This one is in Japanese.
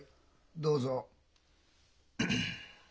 どうぞ。